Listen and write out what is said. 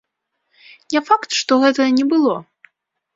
Не факт, што гэтага не было.